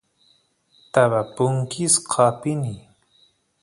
taba punkisqa apini